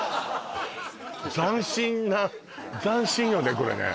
斬新な斬新よね